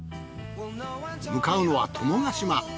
向かうのは友ヶ島。